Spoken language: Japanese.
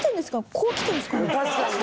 こう来てるんですかね？